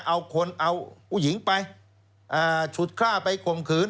เอาคนเอาผู้หญิงไปฉุดฆ่าไปข่มขืน